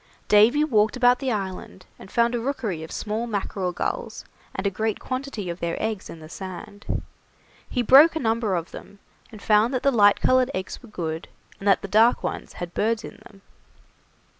Davy walked about the island, and found a rookery of small mackerel gulls and a great quantity of their eggs in the sand. He broke a number of them, and found that the light coloured eggs were good, and that the dark ones had birds in them.